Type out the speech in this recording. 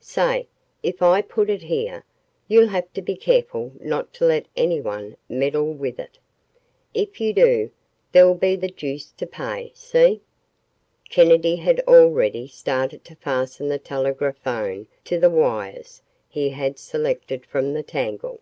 Say, if I put it here, you'll have to be careful not to let anyone meddle with it. If you do, there'll be the deuce to pay. See?" Kennedy had already started to fasten the telegraphone to the wires he had selected from the tangle.